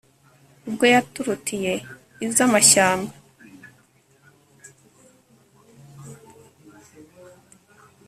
Ubwo yaturutiye izamashyamba